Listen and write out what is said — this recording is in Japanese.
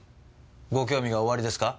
ご興味がおありですか？